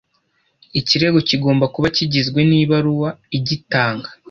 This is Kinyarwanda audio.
ikirego kigomba kuba kigizwe n’ibaruwa igitanga